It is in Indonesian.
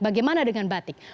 bagaimana dengan batik